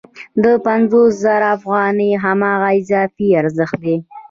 دا پنځوس زره افغانۍ هماغه اضافي ارزښت دی